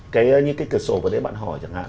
cái cửa sổ vào đấy bạn hỏi chẳng hạn